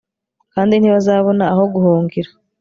Kandi ntibazabona aho guhungira